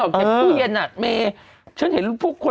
เก็บทุกเย็นอ่ะโปรเมตร